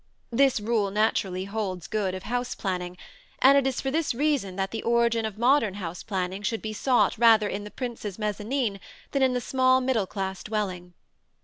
This rule naturally holds good of house planning, and it is for this reason that the origin of modern house planning should be sought rather in the prince's mezzanin than in the small middle class dwelling.